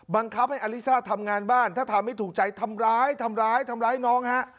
บังคับให้อลิซ่าทำงานบ้านถ้าทำให้ถูกใจทำร้ายทำร้ายทำร้ายทำร้ายน้องฮะ